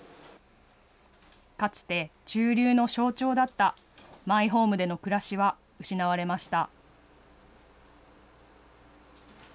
かつて中流の象徴だったマイホームでの暮らしは失われました。